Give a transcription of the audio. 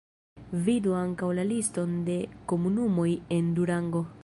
Vidu ankaŭ la liston de komunumoj en Durango.